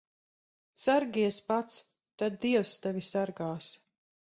Sargies pats, tad dievs tevi sargās.